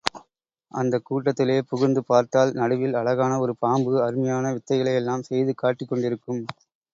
அந்தக் கூட்டத்திலே புகுந்து பார்த்தால், நடுவில் அழகான ஒரு பாம்பு, அருமையான வித்தைகளை யெல்லாம் செய்து காட்டிக்கொண்டிருக்கும்.